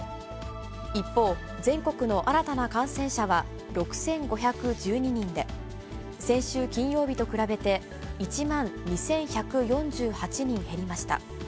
一方、全国の新たな感染者は６５１２人で、先週金曜日と比べて１万２１４８人減りました。